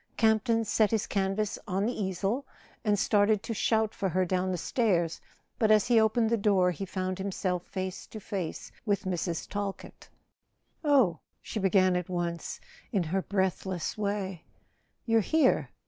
Campton set his canvas on the easel, and started to shout for her down the stairs; but as he opened the door he found himself face to face with Mrs. Talkett. "Oh," she began at once, in her breathless way, "you're here?